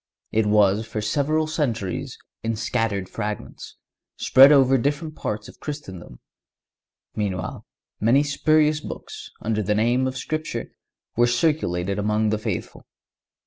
It was for several centuries in scattered fragments, spread over different parts of Christendom. Meanwhile, many spurious books, under the name of Scripture, were circulated among the faithful.